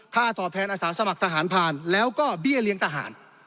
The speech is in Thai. ตอบแทนอาสาสมัครทหารผ่านแล้วก็เบี้ยเลี้ยงทหาร